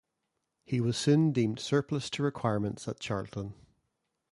He was soon deemed surplus to requirements at Charlton.